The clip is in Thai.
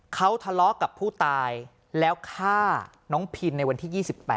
เขาทะเลาะกับผู้ตายแล้วฆ่าน้องพินในวันที่๒๘